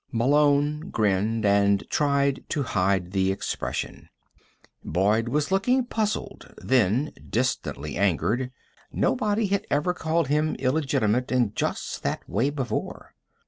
Malone grinned, and tried to hide the expression. Boyd was looking puzzled, then distantly angered. Nobody had ever called him illegitimate in just that way before.